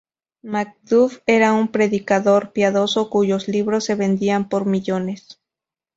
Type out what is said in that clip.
MacDuff era un predicador piadoso cuyos libros se vendían por millones.